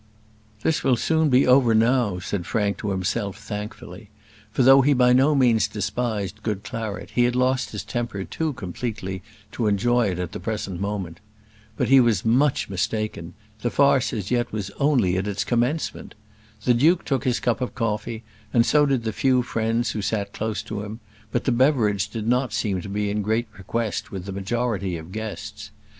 "This will soon be over now," said Frank, to himself, thankfully; for, though he be no means despised good claret, he had lost his temper too completely to enjoy it at the present moment. But he was much mistaken; the farce as yet was only at its commencement. The duke took his cup of coffee, and so did the few friends who sat close to him; but the beverage did not seem to be in great request with the majority of the guests.